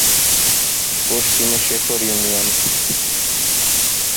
পশ্চিমে শেখর ইউনিয়ন।